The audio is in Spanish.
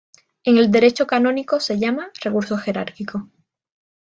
En el derecho canónico se llama "recurso jerárquico".